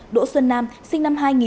đỗ xuân nam sinh năm hai nghìn